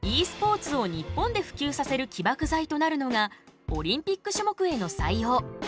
ｅスポーツを日本で普及させる起爆剤となるのがオリンピック種目への採用。